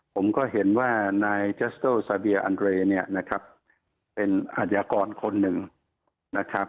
ผมก็เห็นว่านายเจสเติร์ลซาเปียเทมอาจยากร